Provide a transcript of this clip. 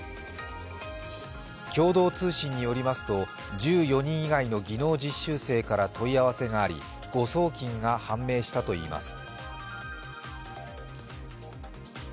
共同通信によりますと１４人以外の技能実習生から問い合わせがあり誤送金が判明したといいます。